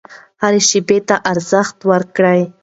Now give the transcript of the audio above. هرې شیبې ته ارزښت ورکړئ.